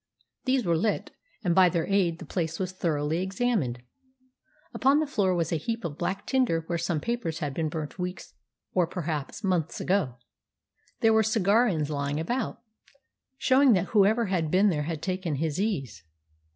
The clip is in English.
These were lit, and by their aid the place was thoroughly examined. Upon the floor was a heap of black tinder where some papers had been burnt weeks or perhaps months ago. There were cigar ends lying about, showing that whoever had been there had taken his ease.